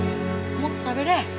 もっと食べれ。